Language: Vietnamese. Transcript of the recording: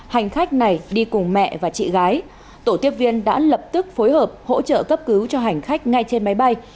hành khách này đi cùng mẹ và chị gái tổ tiếp viên đã lập tức phối hợp hỗ trợ cấp cứu cho hành khách ngay trên máy bay